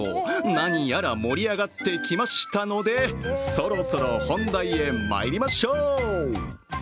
何やら盛り上がってきましたのでそろそろ本題へまいりましょう。